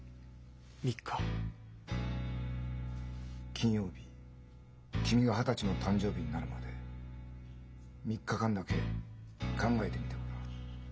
金曜日君が二十歳の誕生日になるまで３日間だけ考えてみてごらん。